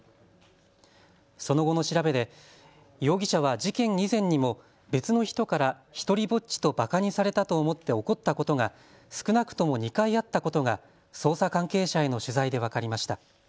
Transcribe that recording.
その後の調べで容疑者は事件以前にも別の人から独りぼっちとばかにされたと思って怒ったことが少なくとも２回あったことが捜査関係者への取材で分かりました。